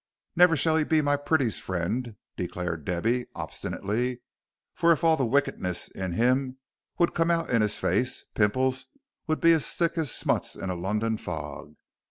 "Never shall he be my pretty's friend," declared Debby, obstinately, "for if all the wickedness in him 'ud come out in his face, pimples would be as thick as smuts in a London fog.